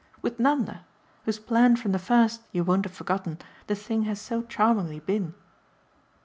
"With Nanda whose plan from the first, you won't have forgotten, the thing has so charmingly been."